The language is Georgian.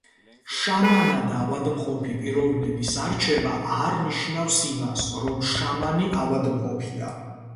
შამანად ავადმყოფი პიროვნების არჩევა არ ნიშნავს იმას, რომ შამანი ავადმყოფია.